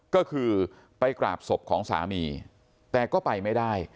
ก็คือไปกราบศพของสามีแต่ก็ไปไม่ได้